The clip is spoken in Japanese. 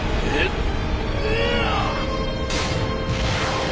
えっ！？